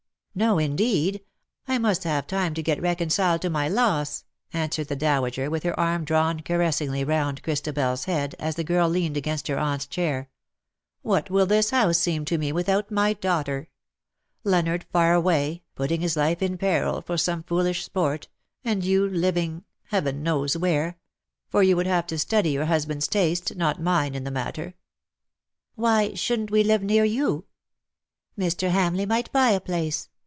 " No, indeed ! I must have time to get reconciled to my loss," answered the dowager, with her arm drawn caressingly round ChristabeFs head, as the girl leaned against her aunt's chair. "What will this house seem to me without my daughter ? Leonard far away, putting his life in peril for some foolish sport, and you living — Heaven knows where; for you ^NOT DEATH, BUT LOVE.'" 131 would have to study your husband''s taste, not mine,, in the matter/^ " Why shouldn^t we live near you ? Mr. Ham leigh might buy a place.